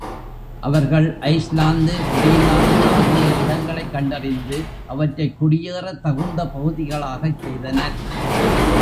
அவர்கள் Iceland, Greenland ஆகிய இடங்களைக் கண்டறிந்து, அவற்றைக் குடியேறத் தகுந்த பகுதிகளாகச் செய்தனர்.